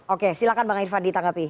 oke silahkan bang irfan ditanggapi